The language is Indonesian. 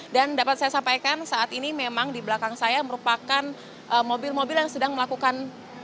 dan dapat saya sampaikan saat ini memang di belakang saya merupakan mobil mobil yang sedang melakukan